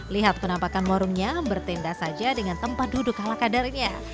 lihat penampakan warungnya bertindas saja dengan tempat duduk halakadarnya